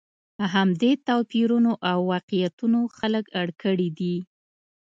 همدې توپیرونو او واقعیتونو خلک اړ کړي دي.